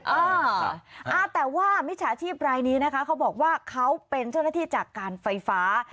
อ่าแต่ว่ามิจฉาชีพรายนี้นะคะเขาบอกว่าเขาเป็นเจ้าหน้าที่จากการไฟฟ้า